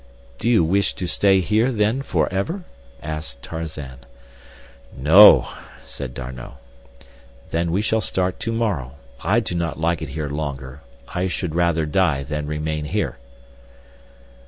"Do you wish to stay here then forever?" asked Tarzan. "No," said D'Arnot. "Then we shall start to morrow. I do not like it here longer. I should rather die than remain here."